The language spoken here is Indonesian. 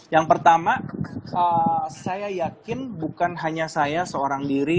yang pertama saya yakin bukan hanya saya seorang diri